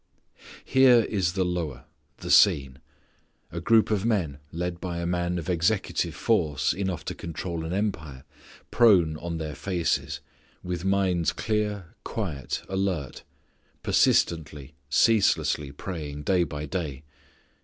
Here is the lower, the seen; a group of men, led by a man of executive force enough to control an empire, prone on their faces, with minds clear, quiet, alert, persistently, ceaselessly praying day by day.